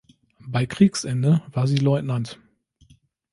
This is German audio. Bei Kriegsende war sie Leutnant.